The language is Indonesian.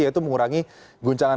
yaitu mengurangi guncangan guncangan